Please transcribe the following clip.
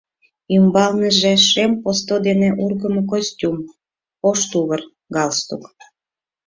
Ӱмбалныже шем посто дене ургымо костюм, ош тувыр, галстук.